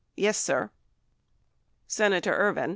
Yes, sir. Senator Ervin.